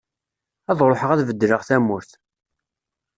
Ad ruḥeγ ad bedleγ tamurt.